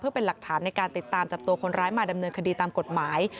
เป็นหลักฐานในการติดตามจับตัวคนร้ายมาดำเนินคดีตามกฎหมาย